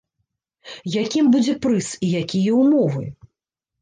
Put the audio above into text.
Якім будзе прыз і якія ўмовы?